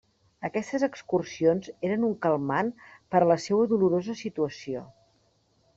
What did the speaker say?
Aquestes excursions eren un calmant per a la seua dolorosa situació.